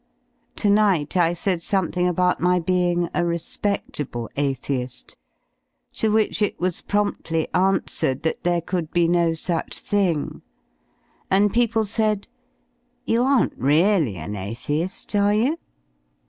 /j^ To night I said something about my being a respedlable atheist, to which it was promptly answered that there could be no such thing: and people said "You aren't really an athei^, are you?"